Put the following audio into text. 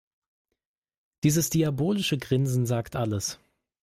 Dieses diabolische Grinsen sagt alles.